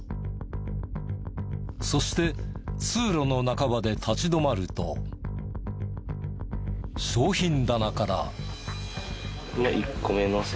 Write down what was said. そして通路の半ばで立ち止まると商品棚から。